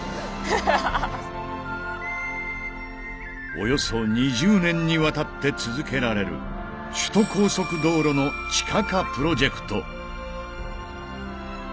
およそ２０年にわたって続けられる首都高速道路の地下化プロジェクト。